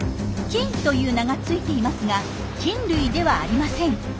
菌という名が付いていますが菌類ではありません。